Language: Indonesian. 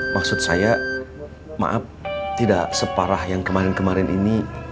maksud saya maaf tidak separah yang kemarin kemarin ini